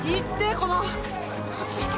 この。